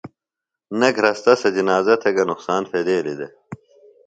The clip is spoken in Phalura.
نہ گھرستہ سےۡ جنازہ تھےۡ گہ نُقصان پھیدیلیۡ دےۡ